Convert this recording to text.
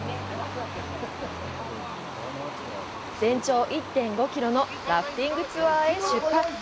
全長１．５キロのラフティングツアーへ出発！